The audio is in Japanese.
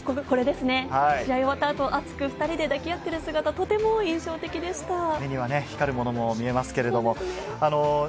試合が終わった後、熱く２人で抱き合っている姿、とても印象的でした。